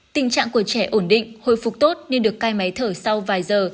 tình trạng của trẻ ổn định hồi phục tốt nên được cai máy thở sau vài giờ